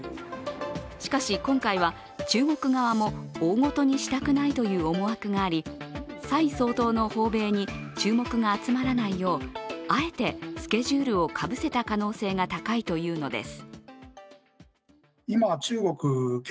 しかし今回は中国側も大ごとにしたくないという思惑があり蔡総統の訪米に注目が集まらないよう、あえてスケジュールをかぶせた可能性が高いというのです。